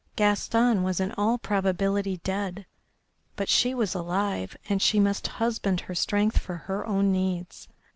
Gaston was in all probability dead, but she was alive, and she must husband her strength for her own needs.